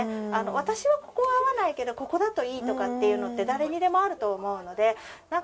私はここは合わないけどここだといいとかっていうのって誰にでもあると思うのでなんか